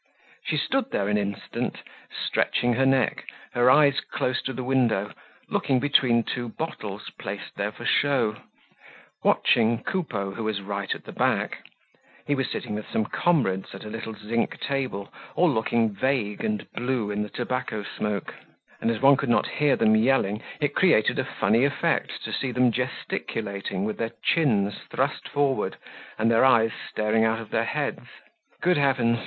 She stood there an instant stretching her neck, her eyes close to the window, looking between two bottle placed there for show, watching Coupeau who was right at the back; he was sitting with some comrades at a little zinc table, all looking vague and blue in the tobacco smoke; and, as one could not hear them yelling, it created a funny effect to see them gesticulating with their chins thrust forward and their eyes starting out of their heads. Good heavens!